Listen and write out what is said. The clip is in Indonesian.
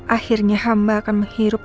akhirnya hamba akan menghirupkan